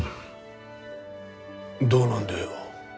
どうなんだよ。